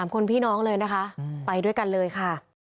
๓คนพี่น้องเลยนะคะไปด้วยกันเลยค่ะ